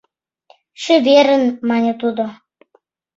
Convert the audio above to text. — Чеверын… — мане тудо.